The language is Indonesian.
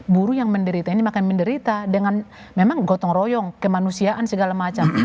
buruh yang menderita ini akan menderita dengan memang gotong royong kemanusiaan segala macam